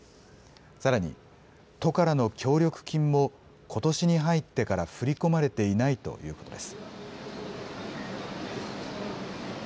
さらに、都からの協力金も、ことしに入ってから振り込まれていないということです。